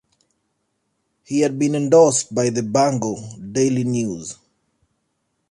He had been endorsed by the "Bangor Daily News".